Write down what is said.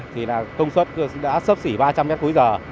thì là công suất đã sấp xỉ ba trăm linh mét cuối giờ